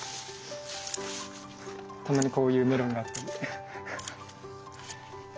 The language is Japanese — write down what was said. たまにこういうメロンがあったりします。